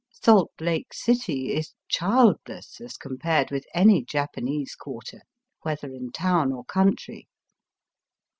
Salt Lake City is childless as compared with any Japanese quarter, whether in town or country.